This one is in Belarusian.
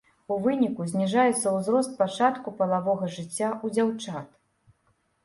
У выніку зніжаецца ўзрост пачатку палавога жыцця ў дзяўчат.